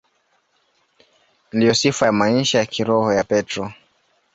Ndiyo sifa ya maisha ya kiroho ya Petro.